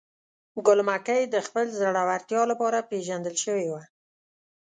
ګل مکۍ د خپل زړورتیا لپاره پیژندل شوې وه.